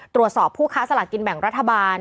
ผู้ค้าสลากกินแบ่งรัฐบาล